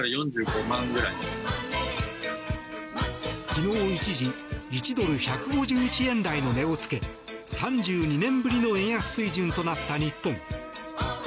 昨日一時１ドル＝１５１円台の値を付け３２年ぶりの円安水準となった日本。